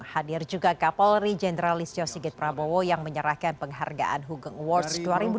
hadir juga kapolri jenderalis yosigit prabowo yang menyerahkan penghargaan hugong awards